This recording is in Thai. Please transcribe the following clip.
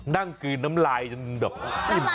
นั่งกลืนน้ำลายจนแบบอิ่มน้ำลาย